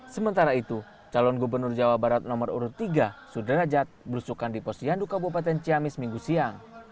sementara itu calon gubernur jawa barat nomor urut tiga sudrajat berusukan di posyandu kabupaten ciamis minggu siang